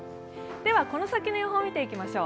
この先の予報を見ていきましょう。